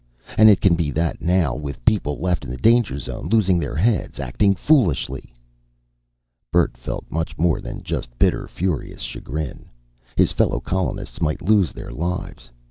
And it can be that, now, with people left in the danger zone, losing their heads, acting foolishly." Bert felt much more than just bitter, furious chagrin. His fellow colonists might lose their lives.